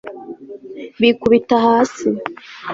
bikubita hasi